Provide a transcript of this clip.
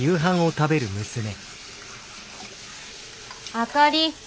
あかり。